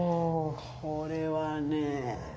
これはね。